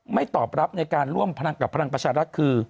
ตอบรับในการร่วมพลังกับพลังประชารัฐคือ